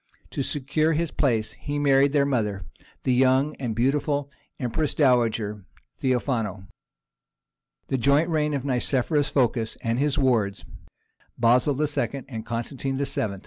To secure his place he married their mother, the young and beautiful empress dowager Theophano. The joint reign of Nicephorus Phocas and his wards, Basil II. and Constantine VIII.